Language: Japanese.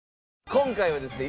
今回はですね